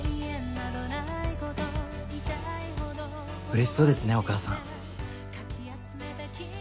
嬉しそうですねお母さん。